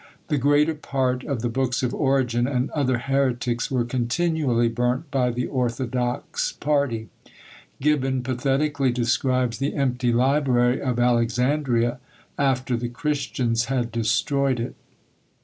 The greater part of the books of Origen and other heretics were continually burnt by the orthodox party. Gibbon pathetically describes the empty library of Alexandria, after the Christians had destroyed it.